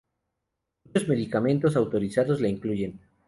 Muchos medicamentos autorizados la incluyen.